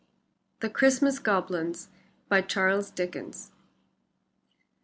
THE CHRISTMAS GOBLINS. BY CHARLES DICKENS.